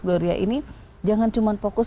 gloria ini jangan cuma fokus